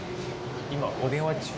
今お電話中。